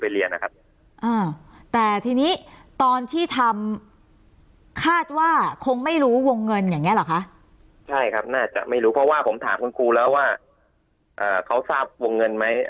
ผมจะถามคุณครูแล้วว่าเขาทราบวงเงินมั้ย